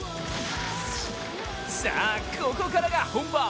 さあ、ここからが本番。